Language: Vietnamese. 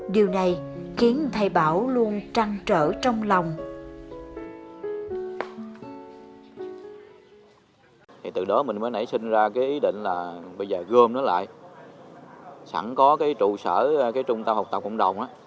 điều này khiến thầy bảo luôn trăng trở trong lòng